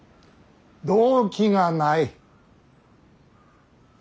動機がない。